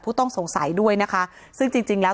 ผู้ต้องสงสัยด้วยนะคะซึ่งจริงแล้ว